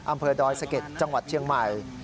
อำเภอดอยสะเก็ดจังหวัดเชียงใหม่